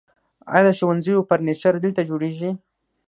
آیا د ښوونځیو فرنیچر دلته جوړیږي؟